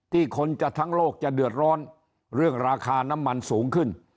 คนจะทั้งโลกจะเดือดร้อนเรื่องราคาน้ำมันสูงขึ้น